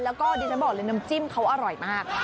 แล้วก็ดิฉันบอกเลยน้ำจิ้มเขาอร่อยมาก